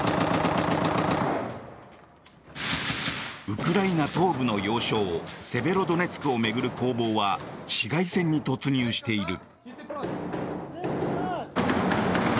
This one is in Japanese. ウクライナ東部の要衝セベロドネツクを巡る攻防は市街戦に突入している。